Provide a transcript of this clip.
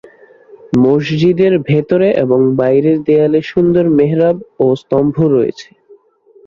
মসজিদের ভেতরে এবং বাইরের দেয়ালে সুন্দর মেহরাব ও স্তম্ভ রয়েছে।